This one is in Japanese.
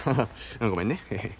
ごめんね。